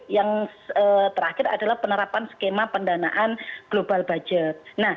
yang terakhir adalah penerapan skema pendanaan global budget